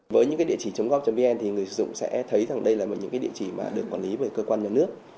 với những địa chỉ chống góp vn thì người dùng sẽ thấy rằng đây là một địa chỉ được quản lý bởi cơ quan nhà nước